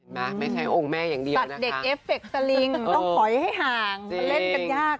ไม่ใช่องค์แม่อย่างเดียวนะคะต้องหอยให้ห่างเล่นกันยาก